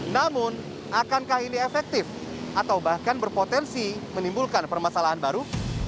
namun akankah ini efektif atau bahkan berpotensi menimbulkan permasalahan baru